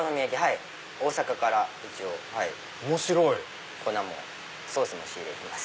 大阪から粉もソースも仕入れてます。